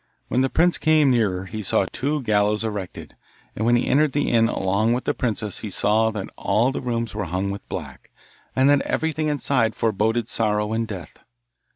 When the prince came nearer he saw two gallows erected, and when he entered the inn along with the princess he saw that all the rooms were hung with black, and that everything inside foreboded sorrow and death.